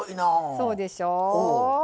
そうでしょう？